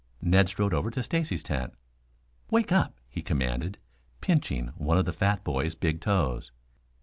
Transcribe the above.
Ned strode over to Stacy's tent. "Wake up," he commanded, pinching one of the fat boy's big toes.